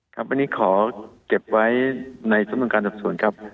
ครับอันนี้ขอเก็บไว้ในสำนวนการดับส่วนครับ